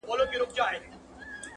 کله هسک ته کله ستورو ته ختلای٫